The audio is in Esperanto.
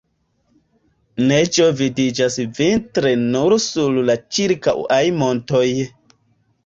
Neĝo vidiĝas vintre nur sur la ĉirkaŭaj montoj.